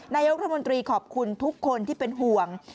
นายกรัฐมนตรีขอบคุณทุกคนที่เป็นห่วง